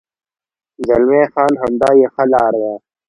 زلمی خان: همدا یې ښه لار ده.